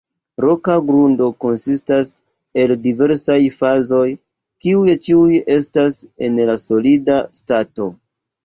Roka grundo konsistas el diversaj fazoj, kiuj ĉiuj estas en solida stato.